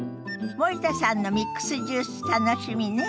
森田さんのミックスジュース楽しみね。